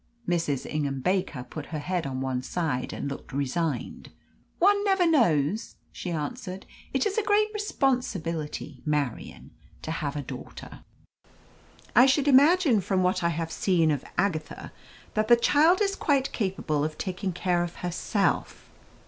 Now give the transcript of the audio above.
Mrs. Ingham Baker put her head on one side and looked resigned. "One never knows," she answered. "It is a great responsibility, Marian, to have a daughter." "I should imagine, from what I have seen of Agatha, that the child is quite capable of taking care of herself."